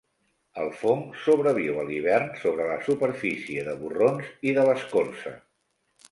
El fong sobreviu a l'hivern sobre la superfície de borrons i de l'escorça.